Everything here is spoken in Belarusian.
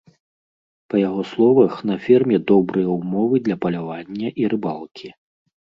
Па яго словах, на ферме добрыя ўмовы для палявання і рыбалкі.